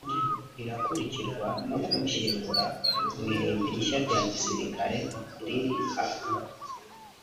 irakurikirwa no kumushyingura mu irimbi rishya rya gisirikare riri Accra